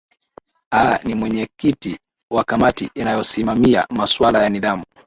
aa ni mwenyekiti wa kamati inayosimamia maswala ya nidhamu